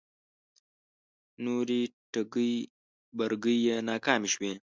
نورې ټگۍ برگۍ یې ناکامې شوې